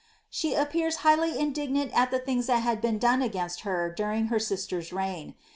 She appears highly indignant at the things that have been done against her during her sister's reign.